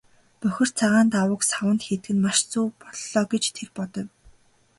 Бохир цагаан даавууг саванд хийдэг нь маш зөв боллоо ч гэж тэр бодов.